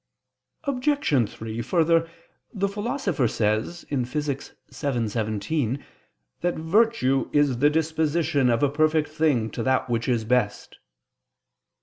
Obj. 3: Further, the Philosopher says (Phys. vii, text. 17) that virtue "is the disposition of a perfect thing to that which is best."